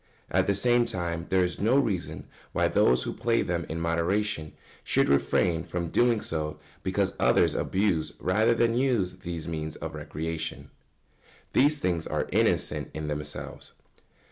At the same time there is no reason why those who play them in moderation should refrain from doing so because others abuse rather than use these means of recreation. [Sidenote: These things are innocent in themselves.